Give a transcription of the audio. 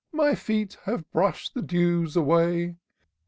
My feet have brush'd the dews away!